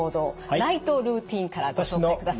ナイトルーティンからご紹介ください。